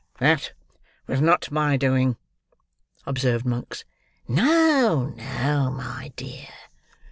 "That was not my doing," observed Monks. "No, no, my dear!"